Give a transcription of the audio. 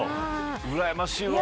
うらやましいわ。